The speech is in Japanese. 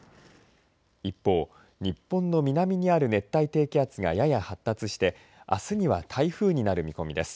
一方、日本の南にある熱帯低気圧が、やや発達してあすには台風になる見込みです。